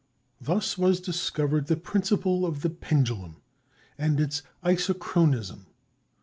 Thus was discovered the principle of the pendulum and its "isochronism."